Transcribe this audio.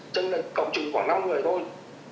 chứ là cộng chứng khoảng năm người thôi